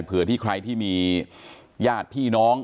เผื่อที่ใครที่มีญาติพี่น้อง